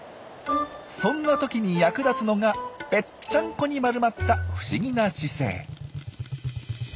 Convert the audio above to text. そんなときに役立つのがぺっちゃんこに丸まった不思議な姿勢。